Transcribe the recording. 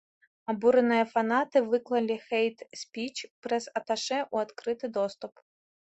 Абураныя фанаты выклалі хэйт-спіч прэс-аташэ ў адкрыты доступ.